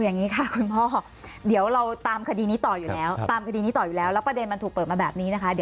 อย่างนี้ค่ะคุณพ่อเดี๋ยวเราตามคดีนี้ต่ออยู่แล้วแล้วประเด็นมันถูกเปิดมาแบบนี้นะคะ